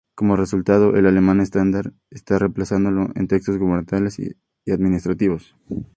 Como resultado, el alemán estándar esta reemplazándolo en textos gubernamentales y administrativos.